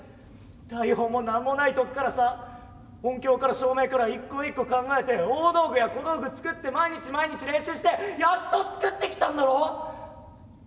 台本も何もないとこからさ音響から照明から一個一個考えて大道具や小道具作って毎日毎日練習してやっと作ってきたんだろ？